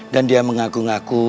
dan dia mengaku ngaku